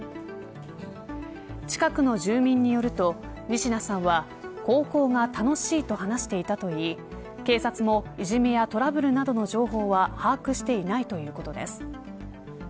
近くの住民によると仁科さんは高校が楽しいと話していたといい警察も、いじめやトラブルなどの情報は把握していないということです。